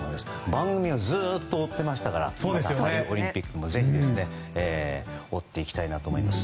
番組はずっと追っていましたからオリンピックもぜひ追っていきたいなと思います。